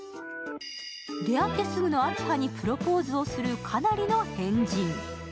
出会ってすぐの明葉にプロポーズをするかなりの変人。